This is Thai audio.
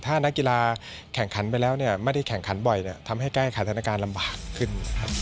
ถ้านักกีฬาแข่งขันไปแล้วเนี่ยไม่ได้แข่งขันบ่อยทำให้แก้ไขสถานการณ์ลำบากขึ้น